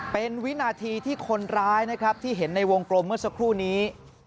เป็นวินาทีที่คนร้ายนะครับที่เห็นในวงกลมเมื่อสักครู่นี้